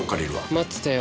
待ってたよ。